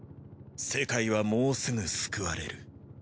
世界はもうすぐ救われる。